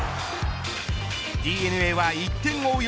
ＤｅＮＡは１点を追う